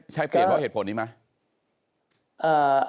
ใช่เปลี่ยนเพราะเหตุผลนี้ไหม